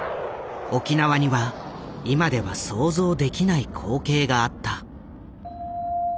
沖縄には今では想像できない光景があった。